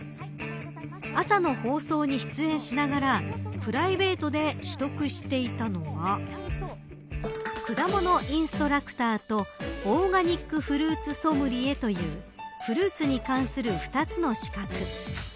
朝の放送に出演しながらプライベートで取得していたのが果物インストラクターとオーガニックフルーツソムリエというフルーツに関する２つの資格。